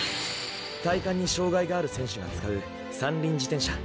体幹に障がいがある選手が使う三輪自転車。